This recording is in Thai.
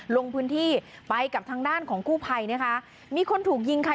ลงพื้นที่ไปกับทางด้านของกู้ภัยนะคะมีคนถูกยิงค่ะ